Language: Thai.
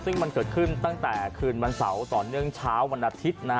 ซึ่งมันเกิดขึ้นตั้งแต่คืนวันเสาร์ต่อเนื่องเช้าวันอาทิตย์นะฮะ